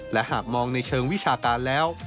และหากมองในเชิงวิชาการแล้ว